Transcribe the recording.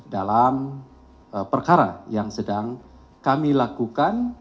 dalam perkara yang sedang kami lakukan